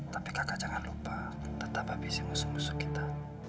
tapi kakak jangan lupa tetap habisi musuh musuh kita